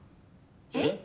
えっ？